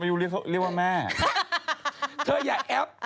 ไม่อยู่เรียกว่าแม่